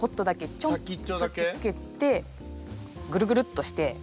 チョンって先つけてぐるぐるっとして。